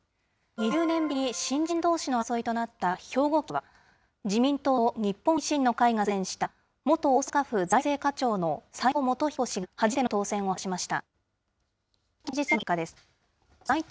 ２０年ぶりに新人どうしの争いとなった、兵庫県知事選挙は、自民党と日本維新の会が推薦した、元大阪府財政課長の斎藤元彦氏が初めての当選を果たしました。